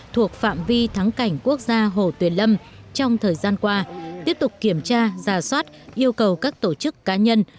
thuộc phạm vi thắng cảnh quốc gia hồ tuyền lâm trong thời gian qua tiếp tục kiểm tra giả soát yêu cầu các tổ chức cá nhân